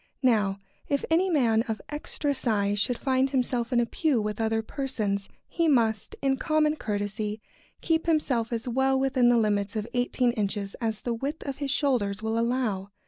Now, if any man of extra size should find himself in a pew with other persons, he must, in common courtesy, keep himself as well within the limits of eighteen inches as the width of his shoulders will allow.